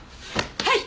はい！